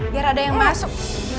biar ada yang masuk